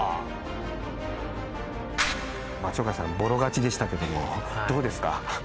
鳥海さんボロ勝ちでしたけどもどうですか？